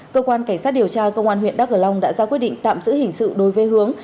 cơ quan cảnh sát điều tra công an huyện đắk cờ long đã ra quyết định tạm giữ hình sự đối với hướng